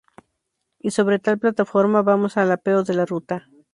Y sobre tal plataforma vamos al apeo de la ruta.